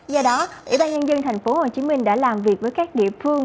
do đó ủy ban nhân dân tp hcm đã làm việc với các địa phương